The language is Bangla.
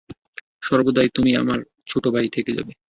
সর্বদাই তুমি আমার ছোট ভাইই থেকে যাবে।